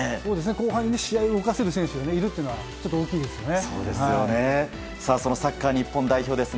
後半に試合を動かせる選手がいるというのは大きいですよね。